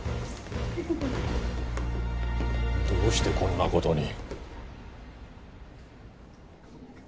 どうしてこんな事に。